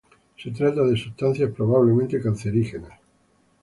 Se trata de sustancias probablemente cancerígenas.